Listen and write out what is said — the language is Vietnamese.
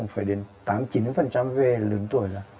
phải đến tám chín về lưỡng tuổi